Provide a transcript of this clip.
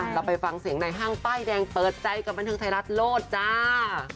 เราไปฟังเสียงในห้างป้ายแดงเปิดใจกับบันเทิงไทยรัฐโลดจ้า